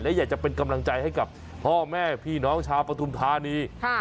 และอยากจะเป็นกำลังใจให้กับพ่อแม่พี่น้องชาวปฐุมธานี